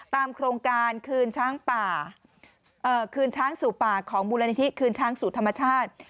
ตามโครงการคืนช้างสู่ป่าของมูลนิธิคืนช้างสู่ธรรมชาติ